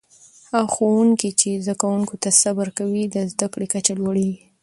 هغه ښوونکي چې زده کوونکو ته صبر کوي، د زده کړې کچه لوړېږي.